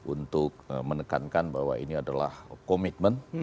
untuk menekankan bahwa ini adalah komitmen